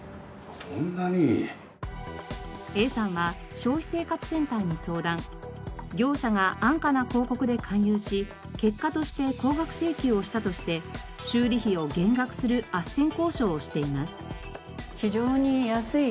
Ａさんは業者が安価な広告で勧誘し結果として高額請求をしたとして修理費を減額するあっせん交渉をしています。